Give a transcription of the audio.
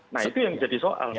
nah itu yang jadi soal